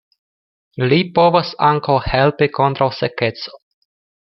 Li povas ankaŭ helpi kontraŭ sekeco.